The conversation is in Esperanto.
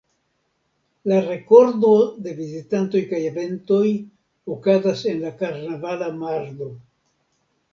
La rekordo de vizitantoj kaj eventoj okazas en la karnavala mardo.